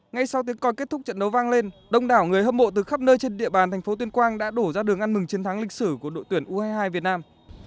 ngay sau tiếng coi kết thúc trận đấu vang lên đông đảo người hâm mộ từ khắp nơi trên địa bàn thành phố tuyên quang đã đổ ra đường ăn mừng chiến thắng lịch sử của đội tuyển u hai mươi hai việt nam